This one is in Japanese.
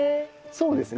そうですね